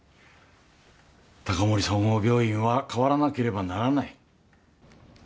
高森総合病院は変わらなければならない。